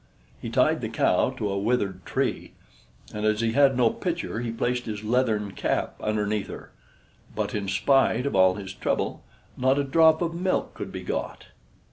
He tied the cow to a withered tree, and as he had no pitcher he placed his leathern cap underneath her; but in spite of all his trouble not a drop of milk could be got.